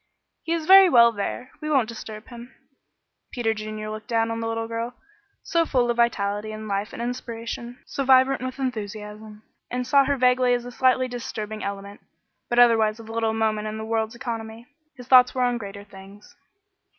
"He is very well there; we won't disturb him." Peter Junior looked down on the little girl, so full of vitality and life and inspiration, so vibrant with enthusiasm, and saw her vaguely as a slightly disturbing element, but otherwise of little moment in the world's economy. His thoughts were on greater things.